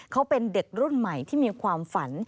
เขาเป็นเด็กรุ่นใหม่ที่มีความฝัน